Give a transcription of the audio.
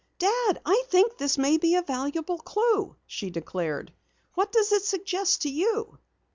"Dad, I think this may be a valuable clue," she declared. "What does it suggest to you?"